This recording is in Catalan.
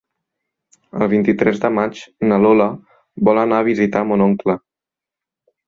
El vint-i-tres de maig na Lola vol anar a visitar mon oncle.